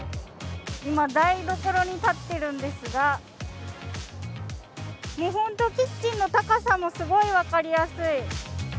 今、台所に立っているんですがほんとにキッチンの高さもすごい分かりやすい。